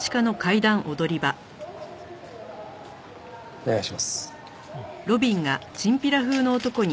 お願いします。